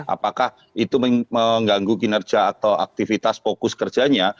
apakah itu mengganggu kinerja atau aktivitas fokus kerjanya